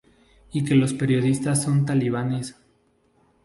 Y que los periodistas son talibanes?